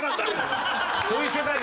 そういう世界でしょ！